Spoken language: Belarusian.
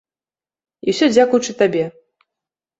І ўсё дзякуючы табе!